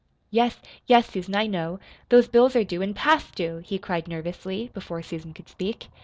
"Yes, yes, Susan, I know. Those bills are due, and past due," he cried nervously, before Susan could speak.